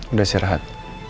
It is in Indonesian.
udah sih rahat